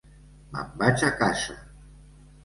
Me'n vaig a casa!